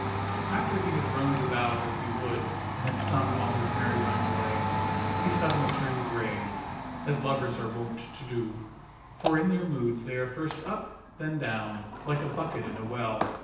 After he had roamed about as he would and had sung all his merry roundelay, he suddenly turned grave, as lovers are wont to do ; for in their moods they are first up, then down, like a bucket in a well.